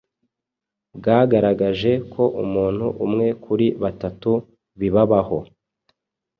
bwagaragaje ko umuntu umwe kuri batatu bibabahaho